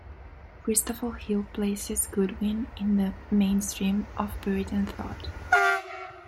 Christopher Hill places Goodwin in the "main stream of Puritan thought".